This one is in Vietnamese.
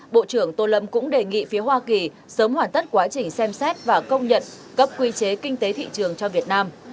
bộ trưởng tô lâm cũng đề nghị phía hoa kỳ sớm hoàn tất quá trình xem xét và công nhận cấp quy chế kinh tế thị trường cho việt nam